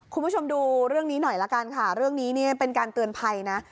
คุณผู้ชมดูเรื่องนี้หน่อยละกันค่ะเรื่องนี้เนี่ยเป็นการเตือนภัยนะ